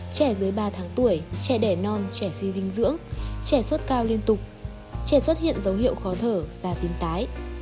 trẻ dưới ba tháng tuổi trẻ đẻ non trẻ suy dinh dưỡng trẻ sốt cao liên tục trẻ xuất hiện dấu hiệu khó thở da tím tái